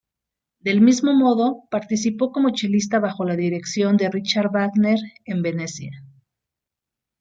Del mismo modo, participó como chelista bajo la dirección de Richard Wagner en Venecia.